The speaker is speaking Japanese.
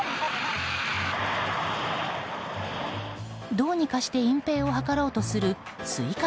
どうにかして隠ぺいを図ろうとするスイカ